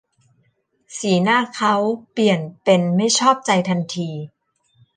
สีหน้าเค้าเปลี่ยนเป็นไม่ชอบใจทันที